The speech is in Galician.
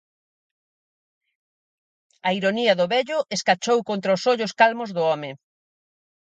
A ironía do vello escachou contra os ollos calmos do home.